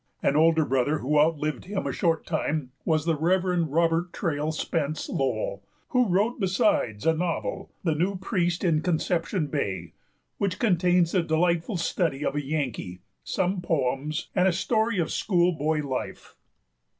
An older brother who outlived him a short time, was the Rev. Robert Traill Spence Lowell, who wrote besides a novel, The New Priest in Conception Bay, which contains a delightful study of a Yankee, some poems, and a story of school boy life.